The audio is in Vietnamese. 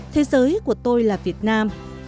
thế giới của tôi là việt nam